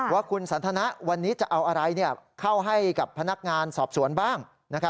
ว่าคุณสันทนะวันนี้จะเอาอะไรเข้าให้กับพนักงานสอบสวนบ้าง